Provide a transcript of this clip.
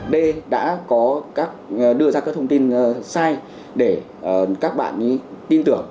d đã có đưa ra các thông tin sai để các bạn tin tưởng